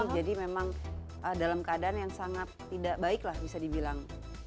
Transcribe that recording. jadi memang dalam keadaan yang sangat tidak baik lah bisa dibilang